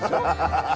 ハハハ［笑